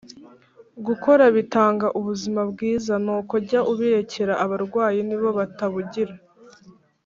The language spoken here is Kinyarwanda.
Gukora bitanga ubuzima bwiza, nuko jya ubirekera abarwayi nibo batabugir